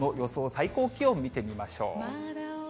最高気温見てみましょう。